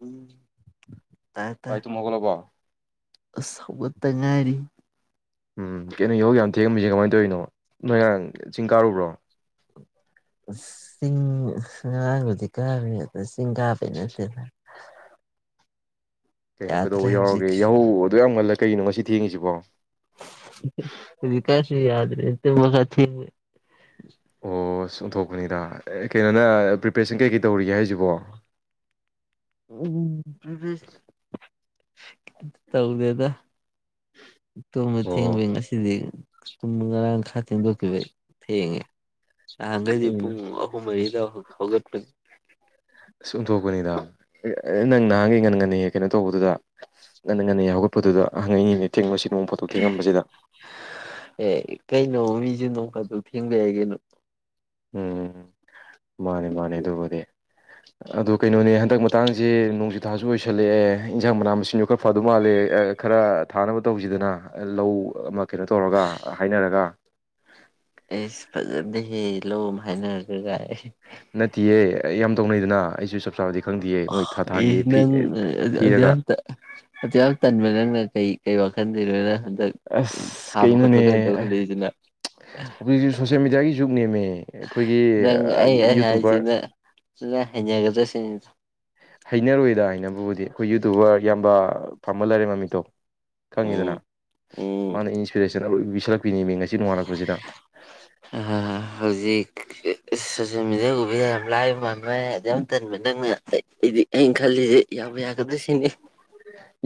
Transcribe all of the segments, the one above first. ꯎꯨꯝ ꯕꯥꯏ ꯇꯨꯝ ꯍꯧꯒꯠꯂꯕꯣ ꯑꯁ ꯍꯧꯒꯠꯇ ꯉꯥꯏꯔꯤ ꯎꯝ ꯀꯩꯅꯣ ꯌꯥꯍꯧ ꯌꯥꯝ ꯊꯦꯡꯉꯝꯃꯤꯁꯦ ꯀꯃꯥꯏꯅ ꯇꯧꯔꯤꯅꯣ ꯅꯣꯏ ꯉꯔꯥꯡ ꯆꯤꯡ ꯀꯥꯔꯨꯕ꯭ꯔꯣ ꯆꯤꯡ ꯉꯥꯔꯥꯡꯕꯨꯗꯤ ꯀꯥꯔꯨꯏ ꯑꯗꯣ ꯆꯤꯡ ꯀꯥꯕꯩ ꯅꯠꯇꯦꯅ ꯀꯩꯅꯣ ꯀꯩꯗꯧꯕ ꯌꯥꯎꯔꯒꯦ ꯌꯥꯍꯧ ꯑꯗꯨꯌꯥꯝ ꯉꯜꯂ ꯀꯩꯒꯤꯅꯣ ꯉꯁꯤ ꯊꯦꯡꯉꯤꯁꯤꯕꯣ ꯕꯣꯜꯁꯥ ꯊꯦꯡꯕꯩ ꯑꯣꯁ ꯑꯣꯟꯊꯣꯛꯄꯅꯤꯗ ꯑꯦ ꯀꯩꯅꯣꯗ ꯄ꯭ꯔꯤꯄꯦꯔꯦꯁꯟ ꯀꯩ-ꯀꯩ ꯇꯧꯔꯤꯒꯦ ꯍꯥꯏꯁꯤꯕꯣ ꯎꯝ ꯄ꯭ꯔꯤꯄꯔꯦꯁ- ꯇꯧꯗꯦꯗ ꯇꯨꯝꯕ ꯑꯣ ꯊꯦꯡꯕꯩ ꯉꯁꯤꯗꯤ ꯇꯨꯝ ꯉꯔꯥꯡ ꯈꯔ ꯊꯦꯡꯗꯣꯛꯈꯤꯕꯩ ꯊꯦꯡꯉꯦ ꯅꯍꯥꯟꯈꯩꯗꯤ ꯀꯩꯅꯣ ꯄꯨꯡ ꯑꯍꯨꯝ ꯃꯔꯤꯗ ꯍꯧ ꯍꯧꯒꯠꯄꯅꯤ ꯊꯣꯛꯄꯅꯤꯗ ꯅꯪ ꯅꯍꯥꯟꯒꯩ ꯉꯟꯅ ꯍꯦꯛ ꯀꯩꯅꯣ ꯇꯧꯕꯗꯨꯗ ꯉꯟ ꯉꯅꯗꯤ ꯍꯧꯒꯠ ꯄꯗꯨꯗ ꯍꯪꯉꯛꯏꯅꯤ ꯊꯦꯡꯕꯁꯤ ꯅꯣꯡ ꯐꯥꯗꯣꯛ ꯑꯦꯍ ꯊꯦꯡꯉꯝꯕꯁꯤꯗ ꯍ ꯑꯦ ꯀꯩꯅꯣ ꯃꯤꯁꯨ ꯅꯣꯡ ꯐꯥꯗꯣꯛ ꯊꯦꯡꯕ ꯌꯥꯏ ꯀꯩꯅꯣ ꯎꯝ ꯃꯥꯅꯦ ꯃꯥꯅꯦ ꯑꯗꯨꯕꯨꯗꯤ ꯑꯗꯣ ꯀꯩꯅꯣꯅꯦ ꯍꯟꯗꯛ ꯃꯇꯥꯡꯁꯦ ꯅꯣꯡꯖꯨ ꯊꯥꯁꯨ ꯑꯣꯏꯁꯜꯂꯛꯑꯦ ꯏꯟꯖꯥꯡ ꯃꯅꯥ ꯃꯁꯤꯡꯁꯨ ꯈꯔ ꯐꯗꯧ ꯃꯥꯜꯂꯦ ꯈꯔ ꯊꯥꯅꯕ ꯇꯧꯁꯤꯗꯅ ꯂꯧ ꯑꯃ ꯀꯩꯅꯣ ꯇꯧꯔꯒ ꯍꯥꯏꯅꯔꯒ ꯑꯦꯁ ꯐꯖꯗꯦ ꯍꯦ ꯂꯧ ꯑꯃ ꯍꯥꯏꯅꯔꯒꯒꯥꯏ ꯅꯠꯇꯦꯌꯦ ꯑ ꯌꯥꯝ ꯇꯧꯅꯩꯗꯅ ꯑꯩꯁꯨ ꯆꯞ ꯆꯥꯕꯗꯤ ꯈꯪꯗꯦꯌꯦ ꯃꯣꯏ ꯑꯥꯍ ꯊꯥ ꯑꯦ ꯊꯥꯒꯤ ꯐꯤ ꯅꯪ ꯑꯗꯨ ꯊꯤꯔꯒ ꯑꯗꯨ ꯌꯥꯝ ꯇꯟꯕ ꯅꯪꯅ ꯀꯩ ꯀꯩ ꯋꯥꯜ ꯈꯟꯗꯣꯏꯅꯣꯗ ꯑꯁ ꯀꯩꯅꯣꯅꯦ ꯈꯠꯂꯛꯏꯁꯤꯅ ꯑꯈꯣꯏꯁꯨ ꯁꯣꯁꯦꯜ ꯃꯦꯗꯤꯌꯥꯒꯤ ꯌꯨꯛꯅꯤꯃꯦ ꯅꯪ ꯑꯩ ꯑꯩ ꯍꯥꯏꯁꯤꯅ ꯍꯩꯅꯒꯗ꯭ꯔꯁꯤꯡ [inaudible] ꯍꯩꯅꯔꯣꯏꯗ ꯍꯥꯏꯕꯨꯕꯨꯗꯤ ꯑꯩꯈꯣꯏ ꯌꯨꯇꯨꯕꯔ ꯌꯥꯝꯌꯥꯝꯕ ꯐꯝꯕ ꯂꯩꯔꯦ ꯃꯃꯤꯠꯇꯣ ꯈꯪꯉꯤꯗꯅ ꯎꯝ ꯃꯥꯅ ꯏꯟꯁꯄꯤꯔꯦꯁꯟ ꯁꯤꯜꯂꯛꯅꯤꯡꯃꯤ ꯉꯁꯤ ꯅꯣꯡꯉꯥꯜꯂꯛꯄꯁꯤꯗ ꯑ ꯍꯧꯖꯤꯛ ꯁꯣꯁꯤꯦꯜ ꯃꯦꯗꯤꯌꯥꯒꯨꯝꯕꯤꯗ ꯌꯥꯝ ꯂꯥꯏꯕ ꯃꯥꯟꯕ ꯌꯥꯝ ꯇꯟꯕ ꯅꯪꯅ ꯑꯩ ꯑꯩꯗꯤ ꯑꯩꯅ ꯈꯜꯂꯤꯁꯦ ꯌꯥꯎꯕ ꯌꯥꯒꯗꯣꯏ ꯁꯤꯅꯤ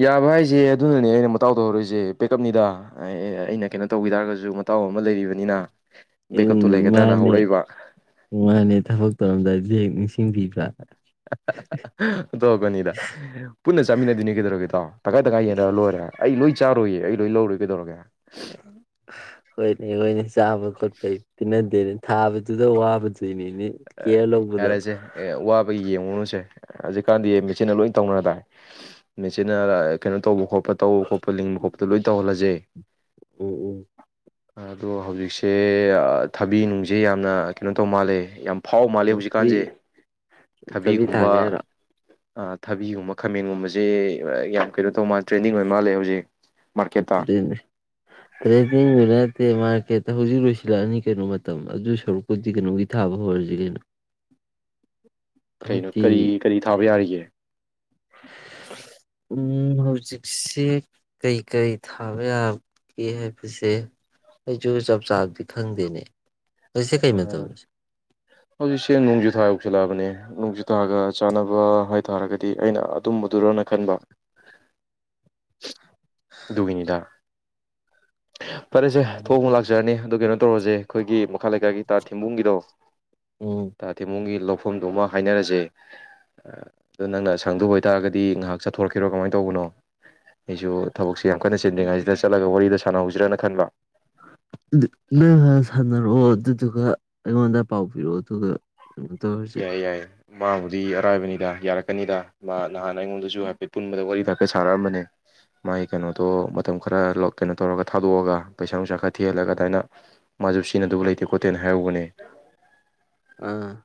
ꯌꯥꯕ ꯍꯥꯏꯁꯦ ꯑꯗꯨꯅꯅꯦ ꯑꯩꯅ ꯃꯇꯥꯎ ꯇꯧꯍꯧꯔꯣꯏꯏꯁꯦ ꯄꯦꯛꯀꯞꯅꯤꯗ ꯑꯩꯅ ꯀꯩꯅꯣ ꯇꯧꯈꯤ ꯇꯥꯔꯒꯁꯨ ꯃꯇꯥꯎ ꯑꯃ ꯂꯩꯔꯤꯕꯅꯤꯅ ꯎꯝ ꯕꯦꯛꯀꯞꯇꯣ ꯂꯩꯒꯗ꯭ꯔꯅ ꯃꯥꯅꯦ ꯍꯧꯔꯛꯏꯕ ꯃꯥꯅꯦ ꯊꯕꯛ ꯇꯧꯔꯝꯗꯥꯏꯗꯤ ꯍꯦꯛ ꯅꯤꯡꯁꯤꯡꯕꯤꯕ꯭ꯔꯥ ꯇꯧꯔꯛꯀꯅꯤꯗ ꯄꯨꯟꯅ ꯆꯥꯃꯤꯟꯅꯗꯣꯏꯅꯦ ꯀꯩꯗꯧꯔꯒꯦꯗꯣ ꯇꯪꯈꯥꯏ ꯇꯪꯀꯥꯏ ꯌꯦꯡꯟꯅꯔ ꯂꯣꯏꯔꯦ ꯑꯩ ꯂꯣꯏ ꯆꯥꯔꯣꯏꯌꯦ ꯑꯩ ꯂꯣꯏ ꯂꯧꯔꯨ ꯀꯩꯗꯧꯔꯒꯦ [inaudible] ꯍꯣꯏꯅꯤ ꯍꯅꯤ ꯆꯥꯕ ꯀꯠꯄꯅꯗꯦꯔꯤ ꯊꯥꯕꯗꯨꯗ ꯋꯥꯕ ꯅꯤꯅꯦ ꯀꯌꯥ ꯂꯣꯧꯕꯗ ꯦ ꯍꯧꯖꯤꯛꯀꯥꯟꯗꯤ ꯃꯦꯆꯤꯟꯅ ꯂꯣꯏꯅ ꯇꯧꯅꯔ ꯇꯥꯏ ꯃꯦꯆꯤꯟꯅ ꯀꯩꯅꯣ ꯇꯧꯕ ꯈꯣꯄ ꯈꯣꯠ ꯇꯧꯕ ꯈꯣꯠ ꯂꯤꯡꯕ ꯈꯣꯠꯄꯗ ꯂꯣꯏ ꯇꯧꯍꯜꯂꯁꯦ ꯎꯝ ꯎꯝ ꯑꯗꯣ ꯍꯧꯖꯤꯛꯁꯦ ꯊꯕꯤ ꯅꯨꯡꯁꯦ ꯌꯥꯝꯅ ꯀꯩꯅꯣ ꯇꯧ ꯃꯥꯜꯂꯦ ꯌꯥꯝ ꯐꯥꯎ ꯃꯥꯜꯂꯤꯦ ꯎꯝ ꯊꯕꯤ ꯍꯧꯖꯤꯛꯀꯥꯟꯁꯦ ꯊꯕꯤ ꯊꯕꯤꯒꯨꯝꯕ ꯊꯥꯒꯦ ꯍꯥꯏꯔꯣ ꯊꯕꯤꯒꯨꯝꯕ ꯈꯥꯃꯦꯟꯒꯨꯝꯕꯁꯦ ꯌꯥꯝ ꯀꯩꯅꯣ ꯇꯧ ꯃꯥꯜꯂꯦ ꯇ꯭ꯔꯦꯟꯗꯤꯡ ꯑꯣꯏ ꯃꯥꯜꯂꯦ ꯍꯧꯖꯤꯛ ꯃꯥꯔꯀꯦꯠꯇ ꯇ ꯇꯦꯅꯤꯡ ꯄꯀꯦꯠꯇ ꯍꯧꯖꯤꯛ ꯂꯣꯏꯁꯤꯜꯂꯛꯑꯅꯤ ꯀꯩꯅꯣ ꯃꯇꯝ ꯑꯗꯨ ꯁꯔꯨꯛꯄꯨꯗꯤ ꯀꯩꯅꯣꯒꯤ ꯊꯥꯕ ꯍꯧꯔꯁꯤ ꯀꯩꯅꯣ ꯀꯩꯅꯣ ꯍꯥꯏꯗꯤ ꯀꯔꯤ ꯀꯔꯤ ꯊꯥꯕ ꯌꯥꯔꯤꯒꯦ ꯎꯝ ꯍꯧꯖꯤꯛꯁꯦ ꯀꯩꯀꯩ ꯊꯥꯕ ꯌꯥꯒꯦ ꯍꯥꯏꯕꯁꯦ ꯑꯩꯁꯨ ꯆꯞ ꯆꯥꯕꯗꯤ ꯈꯪꯗꯦꯅꯦ ꯍꯧꯖꯤꯛꯁꯦ ꯀꯩ ꯎꯝ ꯃꯇꯝꯅꯣ ꯍꯧꯖꯤꯛꯁꯦꯡ ꯅꯣꯡꯖꯨꯊꯥ ꯌꯧꯁꯤꯜꯂꯛꯑꯕꯅꯦ ꯅꯣꯡꯖꯨꯥ ꯒ ꯆꯥꯅꯕ ꯍꯥꯏꯇꯥꯥꯔꯒꯗꯤ ꯑꯩꯅ ꯑꯗꯨꯝꯕꯗꯨꯔꯅ ꯈꯟꯕ ꯃꯤꯅꯤꯗ ꯐꯔꯦꯁꯦ ꯎꯝ ꯊꯣꯛꯣꯡ ꯑꯃꯨꯛ ꯂꯥꯛꯆꯔꯅꯤ ꯑꯗꯨ ꯀꯩꯅꯣ ꯇꯧꯔꯁꯦ ꯑꯩꯈꯣꯏꯒꯤ ꯃꯈꯥ ꯂꯩꯀꯥꯒꯤ ꯇꯥ ꯊꯦꯡꯕꯨꯡꯒꯤꯗꯣ ꯎꯝ ꯇꯥ ꯊꯦꯝꯕꯨꯡꯒꯤ ꯂꯧ ꯃꯐꯝꯗꯨꯃ ꯍꯥꯏꯅꯔꯁꯦ ꯑꯑ ꯑꯗ ꯅꯪꯅ ꯁꯪꯗꯣꯕ ꯑꯣꯏꯇꯥꯔꯒꯗꯤ ꯉꯥꯏꯍꯥꯛ ꯆꯠꯊꯣꯔꯛꯀꯦꯔꯣ ꯀꯃꯥꯏ ꯇꯧꯕꯅꯣ ꯑꯩꯁꯨ ꯊꯕꯛꯁꯦ ꯌꯥꯝ ꯀꯟꯅ ꯆꯦꯟꯗ꯭ꯔꯤꯉꯩꯁꯤꯗ ꯆꯠꯂꯒ ꯋꯥꯔꯤꯗꯣ ꯁꯥꯟꯅꯍꯧꯁꯤꯔꯥꯅ ꯈꯟꯕ ꯈꯪꯗꯦ ꯅꯪ ꯍꯥꯟꯅ ꯁꯥꯟꯅꯔꯛꯑꯣ ꯑꯗꯨꯗꯨꯒ ꯑꯩꯉꯣꯟꯗ ꯄꯥꯎ ꯄꯤꯔꯛꯑꯣ ꯑꯗꯨꯒ ꯀꯩꯅꯣ ꯇꯧꯔꯁꯦ ꯌꯥꯏꯌꯦ ꯌꯥꯏꯌꯦ ꯃꯥꯕꯨꯗꯤ ꯑꯔꯥꯏꯕꯅꯤꯗ ꯌꯥꯔꯛꯀꯅꯤꯗ ꯃꯥ ꯅꯍꯥꯟ ꯑꯩꯉꯣꯟꯗꯁꯨ ꯍꯥꯏꯐꯦꯠ ꯄꯨꯟꯕꯗ ꯋꯥꯔꯤꯗꯣ ꯍꯥꯏꯐꯦꯠ ꯁꯥꯔꯛꯑꯝꯕꯅꯦ ꯃꯥꯒꯤ ꯀꯩꯅꯣꯗꯣ ꯃꯇꯝ ꯈꯔ ꯂꯧ ꯀꯩꯅꯣ ꯇꯧꯔꯒ ꯊꯥꯗꯣꯛꯑꯒ ꯄꯩꯁꯥ ꯅꯨꯡꯁꯥ ꯈꯔ ꯊꯤꯍꯜꯂꯒ ꯑꯗꯥꯏꯅ ꯃꯥꯁꯨ ꯁꯤꯖꯤꯟꯅꯗꯨꯕ ꯂꯩꯇꯦ ꯈꯣꯠꯇꯦꯅ ꯍꯥꯏꯍꯧꯕꯅꯦ ꯑꯥ-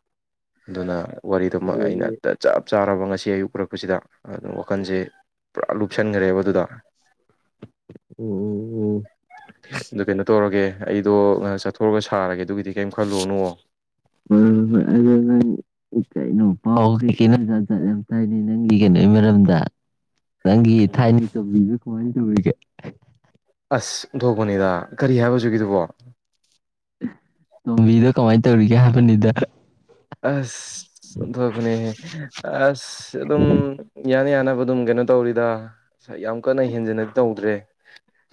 ꯑꯗꯨꯅ ꯋꯥꯔꯤꯗꯨꯃ ꯑꯩꯅ ꯑꯗꯨꯗꯤ ꯇ ꯆꯞ ꯆꯥꯔꯕ ꯉꯁꯤ ꯑꯌꯨꯛ ꯎꯔꯛꯄꯁꯤꯗ ꯑꯗꯨꯅ ꯋꯥꯈꯜꯁꯦ ꯄꯨꯔꯥ ꯂꯨꯞꯁꯟꯒ꯭ꯔꯦꯕ ꯑꯗꯨꯗ ꯎꯝ ꯎꯝ ꯎꯝ- ꯑꯗꯨ ꯀꯩꯅꯣ ꯇꯧꯔꯒꯦ ꯑꯩꯗꯣ ꯉꯥꯏꯍꯥꯛ ꯆꯠꯊꯣꯛꯎꯔꯒ ꯁꯥꯔꯒꯦ ꯑꯗꯨꯒꯤꯗꯤ ꯀꯔꯤꯝ ꯈꯜꯂꯨꯔꯅꯨ ꯍꯣꯏ ꯍꯣꯏ ꯍꯣꯏ ꯑꯗꯨ ꯅꯪ ꯀꯩꯅꯣ ꯄꯥꯎ ꯀꯩ ꯀꯩꯅꯣ ꯖꯥꯠ ꯖꯥꯠ ꯌꯥꯝ ꯇꯥꯏꯅꯦ ꯅꯪꯒꯤ ꯀꯩꯅꯣꯒꯤ ꯃꯔꯝꯗ ꯅꯪꯒꯤ ꯊꯥꯏꯅꯒꯤ ꯇꯧꯝꯕꯤꯗꯣ ꯀꯃꯥꯏ ꯇꯧꯔꯤꯒꯦ ꯑꯁ ꯑꯣꯟꯊꯣꯛꯄꯅꯤꯗ ꯀꯔꯤ ꯍꯥꯏꯕ ꯍꯧꯖꯤꯛ ꯍꯧꯖꯤꯛꯀꯤꯗꯨꯕꯣ ꯇꯣꯝꯕꯤꯗꯣ ꯀꯃꯥꯏ ꯇꯧꯔꯤꯒꯦ ꯍꯥꯏꯕꯅꯤꯗ ꯍ ꯑꯁ ꯑꯁ ꯑꯣꯟꯊꯣꯛꯄꯅꯤꯍꯦ ꯍꯍ ꯑꯁ ꯑꯗꯨꯝ ꯌꯥꯅ ꯌꯥꯅꯕ ꯑꯗꯨꯝ ꯀꯩꯅꯣ ꯇꯧꯔꯤꯗ ꯌꯥꯝ ꯀꯟꯅ ꯍꯦꯟꯖꯟꯅꯗꯤ ꯇꯧꯗ꯭ꯔꯦ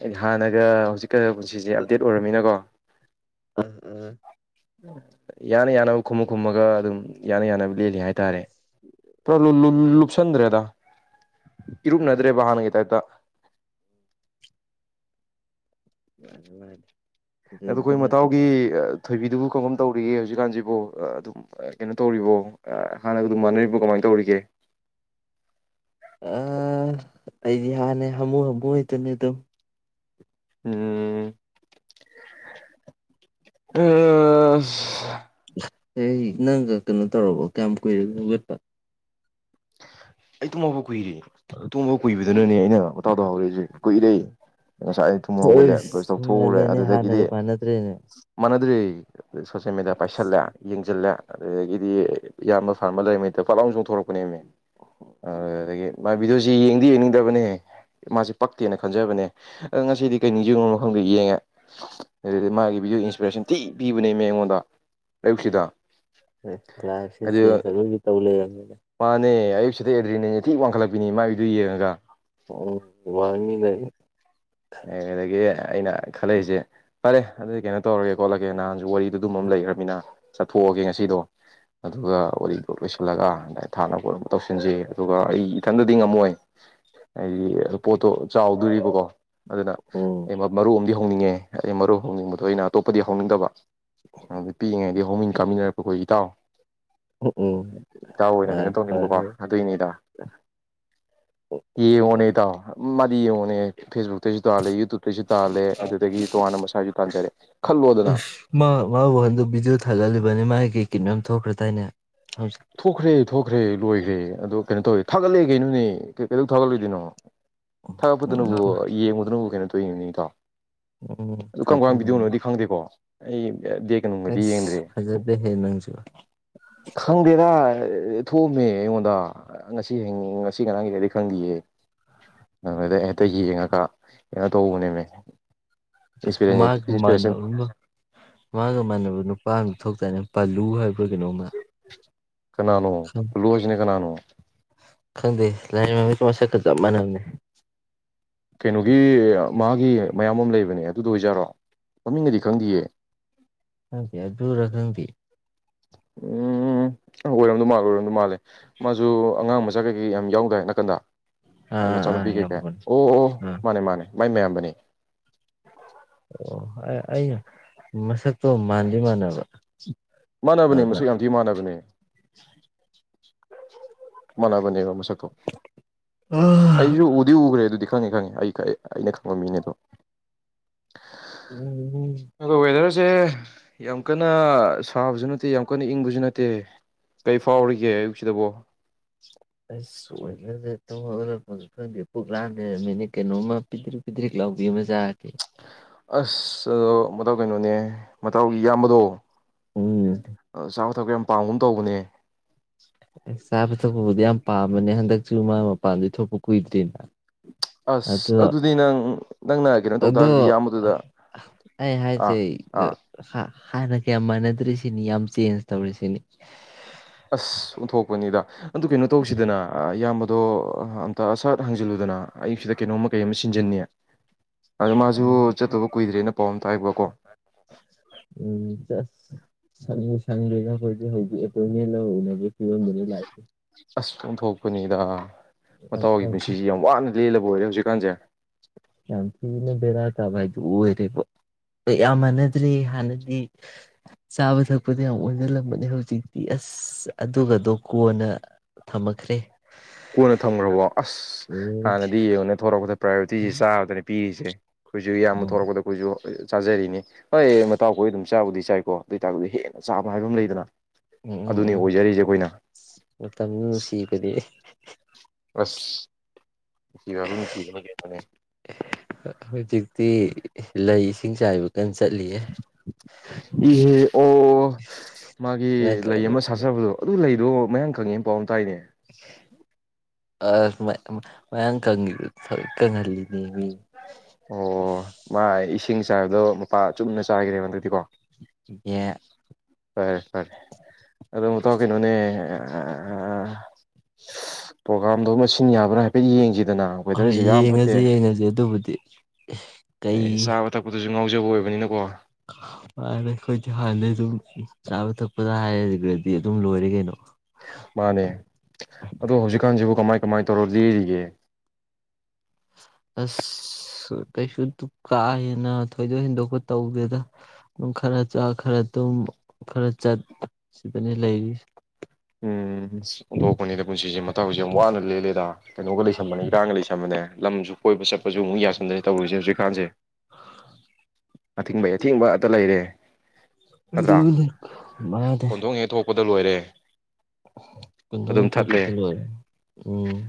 ꯍꯥꯏꯗꯤ ꯍꯥꯟꯅꯒ ꯍꯧꯖꯤꯛꯀ ꯄꯨꯟꯁꯤꯁꯦ ꯑꯞꯗꯦꯠ ꯑꯣꯏꯔꯃꯤꯅꯀꯣ ꯎꯝ ꯎꯝ ꯌꯥꯅ ꯌꯥꯅꯕ ꯈꯨꯨꯃꯨꯛ ꯈꯨꯝꯃꯒ ꯑꯗꯨꯝ ꯌꯥꯅ ꯌꯥꯅꯕ ꯂꯦꯜꯂꯤ ꯍꯥꯏꯇꯥꯔꯦ ꯄꯨꯔꯥ ꯂꯨꯞ ꯂꯨꯞ ꯂꯨꯞꯁꯟꯗ꯭ꯔꯦꯗ ꯏꯔꯨꯞꯅꯗ꯭ꯔꯦꯕ ꯍꯥꯟꯅꯒꯤ ꯇꯥꯏꯞꯇꯥ ꯂꯧꯁꯤꯟꯕ ꯉꯝꯗꯕ ꯑꯗꯣ ꯑꯩꯈꯣꯏ ꯃꯇꯥꯎꯒꯤ ꯑꯑ ꯊꯣꯏꯕꯤꯗꯨꯕꯨ ꯀꯔꯝ ꯀꯔꯝ ꯇꯧꯔꯤꯒꯦ ꯍꯧꯖꯤꯛꯀꯥꯟꯖꯤꯕꯣ ꯑꯑ ꯑꯗꯨꯝ ꯑꯑ ꯀꯩꯅꯣ ꯇꯧꯔꯤꯕꯣ ꯑꯑ ꯍꯥꯟꯅꯒ ꯑꯗꯨꯝ ꯃꯥꯟꯅꯔꯤꯕꯣ ꯀꯃꯥꯏꯅ ꯇꯧꯔꯤꯒꯦ ꯑꯑ- ꯑꯩꯗꯤ ꯍꯥꯟꯅꯩ ꯍꯥꯃꯨ ꯍꯥꯃꯨ ꯍꯥꯏꯗꯨꯅꯦ ꯑꯗꯨꯝ ꯎꯝ ꯎꯝ ꯑꯥ ꯁꯁꯁ ꯑꯩ ꯅꯪꯒ ꯀꯩꯅꯣ ꯇꯧꯔꯕꯣ ꯀꯌꯥꯝ ꯀꯨꯏꯔꯒꯦ ꯍꯧꯒꯠꯄ ꯑꯩ ꯇꯨꯝꯍꯧꯕ ꯀꯨꯏꯔꯤ ꯇꯨꯝꯍꯧ ꯀꯨꯏꯕꯗꯨꯅꯅꯦ ꯑꯩꯅ ꯇꯥꯎꯊꯍꯧꯔꯛꯏꯁꯦ ꯀꯨꯏꯔꯩ ꯉꯁꯥꯏ ꯑꯩꯅ ꯊꯨꯝ ꯍꯧꯒꯠꯂꯦ ꯕ꯭ꯔꯁ ꯑꯁ ꯇꯧꯊꯣꯛꯎꯔꯦ ꯉꯜꯂꯦꯅꯦ ꯑꯗꯨꯗꯒꯤꯗꯤ ꯍꯥꯟꯅꯒ ꯃꯥꯟꯅꯗ꯭ꯔꯦꯅꯦ ꯑꯗꯨꯅꯦ ꯁꯣꯁꯦꯜ ꯃꯦꯗꯤꯌꯥ ꯄꯥꯏꯁꯜꯂꯦ ꯌꯦꯡꯖꯤꯜꯂꯦ ꯑꯗꯨꯗꯒꯤꯗꯤ ꯏꯌꯥꯝꯕ ꯐꯥꯔꯃꯔ ꯂꯩꯔꯤꯃꯤꯠꯇꯣ ꯐꯠꯂꯥꯎꯅ ꯆꯣꯡ ꯊꯣꯔꯛꯄꯅꯦꯕ ꯃꯦ ꯑ ꯑꯗꯨꯗꯒꯤ ꯃꯥꯏ ꯚꯤꯗꯤꯑꯣꯁ ꯌꯦꯡꯗꯤ ꯌꯦꯡꯅꯤꯡꯗꯕꯅꯦ ꯃꯥꯁꯦ ꯄꯛꯇꯦꯅ ꯈꯟꯖꯕꯅꯦ ꯑꯗ ꯉꯁꯤꯗꯤ ꯀꯩ ꯅꯤꯡꯁꯤꯕꯉꯨꯔꯅꯣ ꯈꯪꯗꯦ ꯌꯦꯡꯉꯦ ꯑꯗꯨꯗꯤ ꯃꯥꯒꯤ ꯚꯤꯗꯤꯑꯣ ꯏꯟꯁꯄꯤꯔꯦꯁꯟ ꯊꯤ ꯄꯤꯕꯅꯦ ꯃꯦ ꯑꯩꯉꯣꯟꯗ ꯑꯌꯨꯛꯁꯤꯗ ꯂꯥꯏꯐꯁꯦ ꯆꯦꯟꯖ ꯑꯔꯣꯏꯕꯤ ꯇꯧ ꯂꯩꯔꯝꯅꯤꯅ ꯅꯦ ꯑꯌꯨꯛꯁꯤꯗ ꯑꯦꯗ꯭ꯔꯤꯅꯦ ꯊꯤ ꯋꯥꯡꯈꯠꯂꯛꯄꯤꯅꯦ ꯃꯥꯏꯕꯤꯗꯤꯑꯣ ꯌꯦꯡꯉꯒ ꯎꯝ ꯋꯥꯡꯉꯤꯅꯦ ꯗꯒꯤ ꯑꯩꯅ ꯈꯜꯂꯛꯏꯁꯦ ꯐꯔꯦ ꯑꯗꯨꯗꯤ ꯀꯩꯅꯣ ꯇꯧꯔꯒꯦ ꯈꯣꯠꯂꯒꯦ ꯅꯍꯥꯟꯁꯨ ꯋꯥꯔꯤꯗ ꯑꯗꯨꯝ ꯑꯃ ꯂꯩꯈ꯭ꯔꯃꯤꯅ ꯆꯠꯊꯣꯛꯑꯒꯦ ꯉꯁꯤꯗꯣ ꯑꯗꯨꯒ ꯋꯥꯔꯤꯗꯣ ꯂꯣꯏꯁꯤꯜꯂꯒ ꯑꯗꯨ ꯊꯥꯅ ꯄꯣꯠꯅꯕ ꯇꯧꯁꯤꯟꯖꯤ ꯑꯗꯨꯒ ꯑꯩ ꯏꯊꯟꯗꯗꯤ ꯉꯝꯃꯣꯏ ꯍꯥꯏꯗꯤ ꯑꯗꯨ ꯄꯣꯠꯇꯣ ꯆꯥꯎꯗꯣꯔꯤꯕꯀꯣ ꯑꯗꯨꯅ ꯎꯝ ꯑꯩ ꯃꯔꯨ ꯑꯝꯗꯤ ꯍꯧꯅꯤꯡꯉꯦ ꯑꯩ ꯃꯔꯨꯞ ꯍꯧꯅꯤꯡꯕꯗꯣ ꯑꯩꯅ ꯑꯇꯣꯞꯄꯗꯤ ꯍꯧꯅꯤꯡꯗꯕ ꯑꯗꯨꯗꯤ ꯄꯤꯛꯏꯉꯩꯗꯤ ꯍꯧꯃꯤꯟ ꯀꯥꯃꯤꯟꯅꯔꯛꯄ ꯑꯩꯈꯣꯏ ꯏꯇꯥꯎ ꯎꯝ ꯏꯇꯥꯎ ꯑꯣꯏꯅ ꯀꯩꯅꯣ ꯃꯥꯅꯦ ꯇꯧꯅꯤꯡꯕꯀꯣ ꯃꯥꯅꯦ ꯑꯗꯨꯏꯅꯦ ꯏꯗ ꯌꯦꯡꯉꯣꯅꯦ ꯏꯇꯥꯎ ꯇ ꯌꯦꯡꯉꯨꯅꯦ ꯐꯦꯁꯕꯨꯛ ꯇꯁꯨ ꯇꯥꯜꯂꯦ ꯌꯨꯇ꯭ꯌꯨꯕꯇꯩꯁꯨ ꯇꯥꯜꯂꯦ ꯑꯗꯨꯗꯒꯤ ꯇꯣꯉꯥꯟꯅ ꯃꯁꯥꯏꯁꯨ ꯇꯥꯟꯖꯔꯦ ꯈꯜꯂꯣꯗꯅ ꯃꯥ ꯀꯤ ꯅꯣꯝ ꯊꯣꯛꯈ꯭ꯔ ꯇꯥꯏꯅꯦ ꯍꯧ ꯊꯣꯛꯈ꯭ꯔꯦ ꯊꯣꯛꯈ꯭ꯔꯦ ꯂꯣꯏꯈ꯭ꯔꯦ ꯑꯗꯣ ꯀꯩꯅꯣ ꯇꯧꯋꯦ ꯊꯥꯒꯠꯂꯛꯑꯦ ꯀꯩꯅꯣꯅꯦ ꯀꯩꯗꯧ ꯊꯥꯒꯠꯂꯣꯢ ꯗꯣꯏꯅꯣ ꯊꯥꯛꯒꯠꯄꯗꯨꯅꯕꯨ ꯌꯦꯡꯕꯗꯨꯅꯕꯨ ꯀꯩꯅꯣ ꯑꯗꯨꯏꯅꯤꯅꯦ ꯏꯇꯥꯎ ꯎꯝ ꯑꯗꯨ ꯀꯔꯝ ꯀꯔꯝꯕ ꯊꯥꯒꯠꯂꯝꯃꯦ ꯄꯤꯗꯧꯅꯣꯗꯤ ꯈꯪꯗꯦꯀꯣ ꯑꯩ ꯕꯦꯛꯀ ꯅꯨꯡꯒꯗꯤ ꯌꯦꯡꯗ꯭ꯔꯦ ꯑꯁ ꯐꯖꯗꯦꯍꯦ ꯅꯪꯁꯨ ꯈꯪꯗꯦꯗ ꯊꯣꯛꯑꯝꯃꯦ ꯑꯩꯉꯣꯟꯗ ꯉꯁꯤ ꯍꯌꯤꯡ ꯉꯁꯤ ꯉꯅꯥꯒꯤꯗꯔꯗꯤ ꯈꯪꯗꯌꯦ ꯑꯗꯨꯗ ꯍꯦꯛꯇ ꯌꯦꯡꯉꯒ ꯀꯣ ꯀꯩꯅꯣ ꯇꯧꯕꯅꯦꯅꯦ ꯃꯥꯒ ꯃꯥꯟꯅꯕ ꯑꯃ ꯃꯥꯒ ꯃꯥꯟꯅꯕ ꯅꯨꯄꯥ ꯑꯝꯗꯨ ꯊꯣꯛꯇꯥꯏꯅꯦ ꯄꯜꯂꯨ ꯍꯥꯏꯕ꯭ꯔ ꯀꯩꯅꯣ ꯃ ꯀꯅꯥꯅꯣ ꯄꯨꯂꯨ ꯍꯥꯏꯖꯤꯅ ꯀꯅꯥꯅꯣ ꯈꯪꯗꯦ ꯂꯥꯏꯃꯥꯡꯗ ꯄꯨꯔꯥ ꯁꯛꯀ ꯆꯞ ꯃꯥꯟꯅꯕꯅꯦ ꯀꯩꯅꯣꯒꯤ ꯃꯥꯒꯤ ꯃꯌꯥꯝꯕ ꯑꯃ ꯂꯩꯕꯅꯦ ꯑꯗꯨꯗꯣ ꯑꯣꯏꯖꯥꯔꯣ ꯃꯃꯤꯡꯒꯗꯤ ꯈꯪꯗꯤꯌꯦ ꯈꯪꯗꯦ ꯑꯗꯨꯔꯥ ꯈꯪꯗꯦ ꯎꯝ ꯑꯣꯏꯔꯝꯗꯣꯏ ꯃꯥꯜꯂꯦ ꯑꯣꯏꯔꯝꯗꯣꯏ ꯃꯥꯜꯂꯦ ꯃꯥꯁꯨ ꯑꯉꯥꯡ ꯃꯆꯥ ꯀꯩꯀꯩ ꯌꯥꯝ ꯌꯥꯎꯗꯥꯏ ꯅꯥꯀꯟꯗ ꯃꯥꯏ ꯑꯥ ꯑꯥ ꯃꯆꯥꯅꯨꯄꯤ ꯑꯥ ꯌꯥꯝ ꯀꯩꯀꯩ ꯑꯣ ꯑꯣ ꯑꯥ ꯃꯥꯅꯦ ꯃꯥꯅꯦ ꯃꯥꯏ ꯃꯌꯥꯝꯕꯅꯦ [unintelligible] ꯑꯣ ꯑꯩ ꯑꯩꯅ ꯃꯁꯛꯇꯣ ꯃꯥꯟꯗꯤ ꯃꯥꯟꯅꯕ ꯃꯥꯟꯅꯕꯅꯦ ꯑꯗꯨꯗ ꯃꯁꯛ ꯌꯥꯝ ꯊꯤ ꯃꯥꯟꯅꯕꯅꯦ ꯃꯅꯥꯕꯅꯦꯕ ꯃꯁꯛ ꯀꫭ ꯑꯩꯁꯨ ꯎꯗꯤ ꯎꯒꯔꯦ ꯑꯗꯨꯗꯤ ꯈꯪꯉꯤ - ꯈꯪꯉꯤ ꯑꯩ ꯀ ꯑꯩ ꯑꯩꯅ ꯈꯪꯕ ꯃꯤꯅꯦ ꯑꯗꯣ꯫ ꯑꯗꯣ ꯋꯦꯗꯔꯁꯦ [unintelligible] ꯌꯥꯝ ꯀꯟꯅ ꯁꯨ ꯁꯥꯕꯁꯨ ꯅꯠꯇꯦ ꯌꯥꯝ ꯀꯟꯅ ꯏꯪꯕꯁꯨ ꯅꯠꯇꯦ ꯀꯩ ꯐꯥꯎꯔꯤꯒꯦ ꯑꯌꯨꯛ ꯁꯤꯗꯕꯣ? ꯑꯁ ꯋꯦꯗꯔꯁꯦ ꯇꯨꯝ ꯍꯧꯒꯠꯂꯛꯄꯒ ꯈꯪꯗꯦ ꯄꯨꯛ ꯂꯥꯝꯃꯦ ꯃꯤꯅꯤ ꯀꯩꯅꯣꯝꯃ ꯄꯤꯗ꯭ꯔꯤꯛ ꯄꯤꯗ꯭ꯔꯤꯛ- ꯂꯥꯎꯕꯤ ꯑꯃ ꯆꯥꯔꯗꯤ ꯑꯁ ꯑꯗꫭ ꯇꯥꯎ ꯀꯩꯅꯣꯅꯦ ꯃꯇꯥꯎꯒꯤ ꯏꯌꯥꯝꯕꯗꯣ [unintelligible] [unintelligible] ꯌꯥꯝ ꯄꯥꯝꯒꯨꯝ ꯇꯧꯕꯅꯦ ꯆꯥꯕ ꯊꯛꯄꯕꯨꯗꯤ ꯌꯥꯝ ꯄꯥꯝꯕꯅꯦ ꯍꯟꯗꯛꯁꯨ ꯃꯥ ꯃꯄꯥꯟꯗꯤ ꯊꯣꯛꯄ ꯀꯨꯏꯗ꯭ꯔꯤꯕ ꯑꯁ ꯑꯗꯨꯗꯤ ꯅꯪ ꯅꯪꯅ ꯀꯩꯅꯣ ꯇꯧ ꯑꯗꯣ ꯇꯥꯔꯒꯗꯤ ꯑ ꯑ ꯏꯌꯥꯝꯕꯗꯨꯗ ꯑꯩ ꯑꯥ ꯍꯥꯏꯁꯦ ꯒ ꯑꯥ ꯍꯍ ꯍꯥꯟꯅ ꯀꯌꯥ ꯃꯥꯟꯅꯗ꯭ꯔꯦꯁꯤ ꯁꯤꯅꯤ ꯌꯥꯝ ꯆꯦꯟꯖ ꯇꯧꯔꯦ ꯁꯤꯅꯤ꯫ ꯑꯁ ꯎꯟꯊꯣꯛꯄꯅꯤꯗ! ꯑꯗꯨ ꯀꯩꯅꯣ ꯇꯧꯁꯤꯗꯅ ꯑ ꯏꯌꯥꯝꯕ ꯑꯗꯣ ꯑ ꯑꯝꯇ ꯑ ꯁꯠ ꯍꯪꯖꯜꯂꯨꯗꯅ ꯑꯌꯨꯛ ꯁꯤꯗ ꯀꯩꯅꯣꯝꯃ ꯀꯩ ꯑꯃ ꯁꯤꯟꯖꯟꯅꯤ꯫ ꯑꯗ ꯃꯥꯁꯨ ꯆꯠꯇꯧꯕ ꯀꯨꯏꯗ꯭ꯔꯦꯅ ꯄꯥꯎ ꯑꯝ ꯇꯥꯏꯕꯀꯣ [unintelligible] ꯁꯪ ꯁꯪꯕꯨ ꯁꯪꯗ꯭ꯔꯦꯗ ꯍꯧꯖꯤꯛ ꯑꯦꯄꯣꯏꯟꯃꯦꯟ ꯂꯧꯔꯨꯅꯕ [unintelligible] ꯑꯁ ꯑꯣꯟꯊꯣꯛꯄꯅꯤꯗ ꯃꯇꯥꯎꯒꯤ ꯂꯥꯛꯏꯁꯦ ꯄꯨꯟꯁꯤꯁꯤ ꯌꯥꯝ ꯋꯥꯅ ꯂꯦꯜꯂꯕ ꯑꯣꯏꯔꯦ ꯍꯧꯖꯤꯛꯀꯥꯟꯁꯦ ꯌꯥꯝ ꯊꯤꯅ ꯕꯦꯔꯥ ꯀꯥꯕ ꯍꯥꯏꯗꯨ ꯑꯣꯏꯔꯦꯕꫭ ꯑ ꯌꯥꯝ ꯃꯥꯟꯅꯗ꯭ꯔꯦ ꯍꯥꯟꯅꯗꯤ ꯆꯥꯕ ꯊꯛꯄꯗ ꯌꯥꯝ ꯑꯣꯟꯖꯜꯂꯝꯕꯅꯦ ꯍꯧꯖꯤꯛꯇꯤ ꯑꯁ ꯑꯗꯨꯒꯗꯣ ꯀꯣꯟꯅ ꯊꯝꯃꯛꯈ꯭ꯔꯦ ꯀꯣꯟꯅ ꯊꯝꯒ꯭ꯔꯕꯣ ꯑꯁ ꯑꯣ ꯍꯥꯟꯅꯗꯤ ꯌꯦꯡꯉꯣꯅꯦ ꯊꯣꯔꯛꯄꯗ ꯄ꯭ꯔꯥꯏꯌꯣꯔꯤꯇꯤꯖꯦ ꯆꯥꯕꯗꯅꯤ ꯄꯤꯔꯤꯖꯦ ꯈꯣꯏꯁꯨ ꯌꯥꯝꯕ ꯎꯝ ꯊꯣꯛꯣꯔꯛꯄꯗ ꯈꯣꯏꯁꯨ ꯆꯥꯖꯔꯤꯅꯦ ꯍꯣꯏ ꯃꯇꯥꯎ ꯀꯣꯏ ꯗꯨꯝ ꯆꯥꯕꯨꯗꯤ ꯆꯥꯏꯀꯣ ꯑꯗꯨꯏꯇꯥꯔꯒꯨ ꯍꯦꯟꯅ ꯆꯥꯕ ꯍꯥꯏꯕ ꯑꯃ ꯂꯩꯗꯅ ꯎꯝ ꯑꯗꯨꯅꯤ ꯎꯝ ꯎꯝ ꯑꯣꯏꯖꯔꯤꯁꯦ ꯑꯩꯈꯣꯏꯅ ꯃꯇꯝꯗꯨ ꯅꯨꯁꯤꯕꯅꯦ ꯑꯁ ꯌꯥꯔꯣ ꯅꯨꯡꯁꯤꯕꯑꯔꯤꯐꯔꯦ ꯍꯧꯖꯤꯛꯇꯤ ꯂꯩ ꯏꯁꯤꯡ ꯆꯥꯏꯕ ꯀꯟ ꯆꯠꯂꯤꯌꯦ ꯏꯍꯦ ꯑꯣ ꯅꯪ ꯃꯥꯒꯤ ꯂꯩ ꯑꯃ ꯁꯥꯆꯕꯗꯣ ꯑꯗꯨ ꯂꯩꯗꯣ ꯃꯌꯥꯡ ꯀꯣꯉꯦ ꯄꯥꯎ ꯑꯝ [inaudible] ꯑꯁ ꯃ ꯃ ꯃꯌꯥꯡ ꯀꯪꯒꯤꯕ ꯊ ꯇꯅꯂꯤ ꯑꯣ ꯃꯥ ꯏꯁ ꯁꯤꯡ ꯆꯥꯏꯕꯗꯣ ꯃꯄꯥ ꯆꯨꯝꯅ ꯆꯥꯏꯒꯔꯤꯕ ꯍꯟꯗꯛꯇꯤ ꯀꯣ ꯌꯦ ꯐꯔꯦ ꯐꯔꯦ ꯑꯗꯨ ꯃꯇꯥꯎ ꯀꯩꯅꯣꯅꯦ ꯑ ꯑ ꯄ꯭ꯔꯣꯒꯥꯝꯗꯣ ꯃꯁꯤ ꯌꯥꯕ꯭ꯔꯥ ꯍꯥꯏꯐꯦꯠ ꯌꯦꯡꯖꯦ ꯍ ꯌꯦꯡꯉꯖꯦ ꯌꯦꯡꯉꯖꯦ ꯑꯗꯨꯕꯨꯗꯤ ꯑꯦ ꯀꯩ ꯆꯥꯕ ꯇꯛꯄꯗꯨ ꯉꯥꯎꯖꯕ ꯑꯣꯏꯕꯅꯤꯅꯀꯣ ꯑꯩꯈꯣꯏꯗꯤ ꯍꯥꯟꯗꯩ ꯑꯗꯨꯝ ꯆꯥꯕ ꯊꯛꯄꯗ ꯍꯥꯏꯒꯔꯗꯤ ꯑꯗꯨꯝ ꯂꯣꯏꯔꯦ ꯀꯩꯅꯣ ꯃꯥꯅꯦ ꯑꯗꯣ ꯍꯧꯖꯤꯛꯀꯥꯟꯖꯤꯕꯨ ꯀꯃꯥꯏ ꯀꯃꯥꯏ ꯇꯧꯔ ꯂꯦꯔꯤꯒꯦ ꯑꯁ ꯀꯩꯁꯨ ꯗꯨ ꯀꯥ ꯍꯦꯅ ꯊꯣꯏꯗꯣꯛ ꯍꯦꯟꯗꯣꯛꯄ ꯇꯧꯗꯦꯗ ꯑꯗꯨꯝ ꯈꯔ ꯆꯥ ꯈꯔ ꯗꯨꯝ ꯈꯔ ꯆꯠ ꯁꯤꯗꯅꯤ ꯂꯩꯔꯤꯁ ꯎꯝ ꯁꯤ ꯑꯣꯟꯗꯣꯛꯄꯅꯤꯗ ꯄꯨꯟꯁꯤꯁꯦ ꯇꯧꯏꯖꯦ ꯋꯥꯅ ꯂꯦꯜꯂꯦꯗ ꯀꯩꯅꯣꯒ ꯂꯩꯁꯕꯅꯤ ꯏꯔꯥꯡꯒ ꯂꯩ ꯑꯃꯅꯦ ꯂꯝꯁꯨ ꯀꯣꯏꯕ ꯆꯠꯄꯁꯨ ꯑꯃꯨꯛ ꯌꯥꯁ ꯟꯗꯦ ꯇꯧꯔꯤꯁꯦ ꯍꯧꯖꯤꯛꯀꯥꯟꯁꯦ ꯑꯊꯤꯡꯕꯩ ꯑꯊꯤꯡꯕ ꯑꯇ ꯂꯩꯔꯦ ꯃꯥꯗꯦ ꯄꯗ ꯂꯣꯏꯔꯦ ꯀꯨꯟꯗꯣꯅꯤ ꯑꯗꯨꯝ ꯊꯠꯂꯦ ꯇꯧꯕꯗ ꯂꯣꯏꯔꯦ ꯎꯝ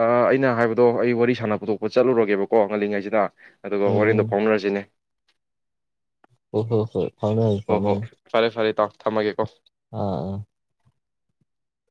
ꯑ ꯑꯩꯅ ꯍꯥꯏꯕꯗꯣ ꯑꯩ ꯋꯥꯔꯤ ꯁꯥꯟꯅ ꯄꯨꯗꯣꯛꯄ ꯆꯠꯂꯨꯔꯒꯦꯕꯀꯣ ꯉꯜꯂꯤꯉꯩꯁꯤꯗ ꯑꯗꯨꯒ ꯍꯣꯔꯦꯟꯗꯣ ꯎꯝ ꯐꯥꯎꯅꯔꯁꯤꯅꯦ ꯑꯣ ꯍꯣ ꯍꯣꯏ ꯐꯥꯎꯅꯔꯁꯤ ꯑꯣ ꯍꯣ ꯐꯥꯎꯅꯔꯁꯤ ꯐꯔꯦ ꯐꯔꯦ ꯢꯇꯥꯎ ꯊꯝꯃꯒꯦꯀꯣ ꯑꯥ ꯑ